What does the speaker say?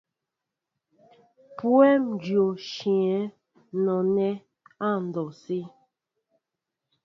Mpweŋ dyô nshyɛέŋ nɔnɛɛ andɔwsé.